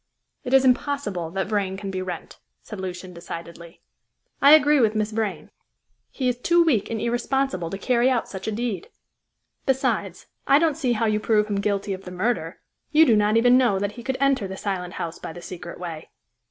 "It is impossible that Vrain can be Wrent," said Lucian decidedly. "I agree with Miss Vrain; he is too weak and irresponsible to carry out such a deed. Besides, I don't see how you prove him guilty of the murder; you do not even know that he could enter the Silent House by the secret way."